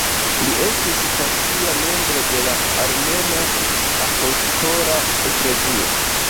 Li estis pasia membro de la Armena Apostola Eklezio.